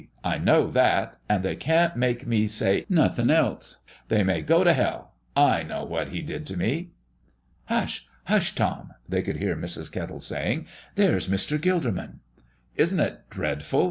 I know that, and they can't make me say nothing else. They may go to hell! I know what He did to me." "Hush, hush, Tom!" they could hear Mrs. Kettle saying. "There's Mr. Gilderman." "Isn't it dreadful!"